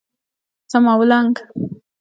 څماولنګ